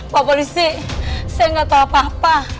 pak polisi saya gak tau apa apa